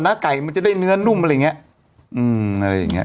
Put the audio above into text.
เมื่อไก่มันจะได้เนื้อนุ่มอะไรอย่างนี้